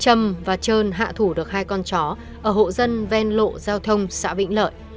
trâm và trơn hạ thủ được hai con chó ở hộ dân ven lộ giao thông xã vĩnh lợi